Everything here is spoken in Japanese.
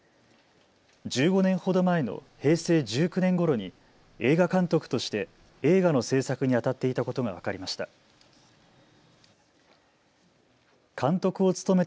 １５年ほど前の平成１９年ごろに映画監督として映画の製作にあたっていたことが分かりました。